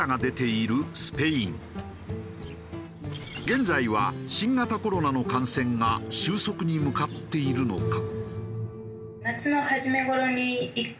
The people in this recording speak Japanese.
現在は新型コロナの感染が収束に向かっているのか？